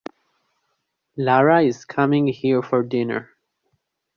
Lara is coming here for dinner.